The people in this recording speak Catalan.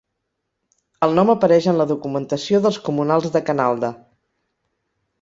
El nom apareix en la documentació dels comunals de Canalda.